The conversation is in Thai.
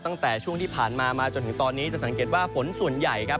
ตั้งแต่ช่วงที่ผ่านมามาจนถึงตอนนี้จะสังเกตว่าฝนส่วนใหญ่ครับ